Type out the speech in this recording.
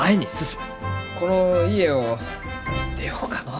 この家を出ようかのう。